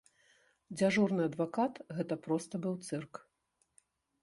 Дзяжурны адвакат гэта проста быў цырк.